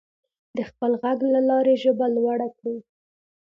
د خپل غږ له لارې ژبه لوړه کړو.